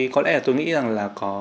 có lẽ là tôi nghĩ rằng là có